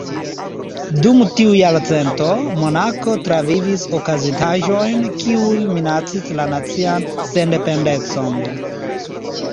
Dum tiu jarcento, Monako travivis okazintaĵojn kiuj minacis la nacian sendependecon.